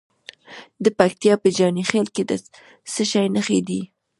د پکتیکا په جاني خیل کې د څه شي نښې دي؟